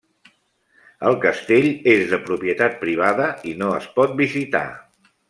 El castell és de propietat privada i no es pot visitar.